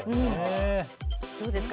どうですか？